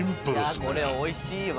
いやこれおいしいわ。